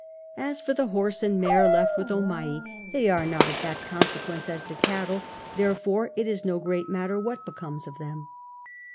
As for the horse and maro left with Omai, they arc not of that consequence as the cattle, therefore it is no great matter what becomes of them.